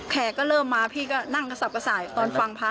แขกก็เริ่มมาพี่ก็นั่งกระสับกระส่ายตอนฟังพระ